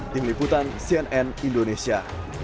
tim liputan cnn indonesia